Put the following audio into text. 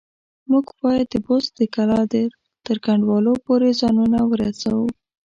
موږ بايد د بست د کلا تر کنډوالو پورې ځانونه ورسوو.